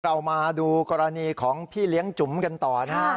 เรามาดูกรณีของพี่เลี้ยงจุ๋มกันต่อนะฮะ